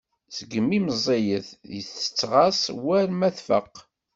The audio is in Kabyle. Seg imi meẓẓiyet tettɣas war ma tfaq.